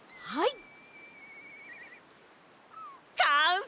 はい。